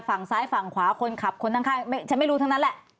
ฝั่งซ้ายฝั่งขวาคนขับคนข้างฉันไม่รู้ทั้งนั้นแหละ